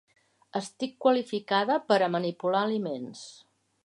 Estic qualificada per a manipular aliments.